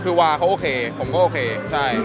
คือบังเค้าเค้าสบายใจ